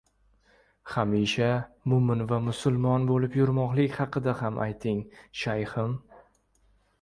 — Hamisha mo‘‘min va musulmon bo‘lib yurmoqlik haqida ham ayting, shayxim.